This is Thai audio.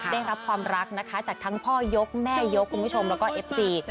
ได้รับความรักนะคะจากทั้งพ่อยกแม่ยกคุณผู้ชมแล้วก็เอฟซี